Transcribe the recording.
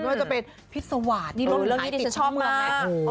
ไม่ว่าจะเป็นพิษวาสนี่ร่วมขายติดชอบมา